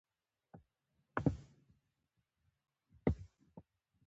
زه ډير خفه يم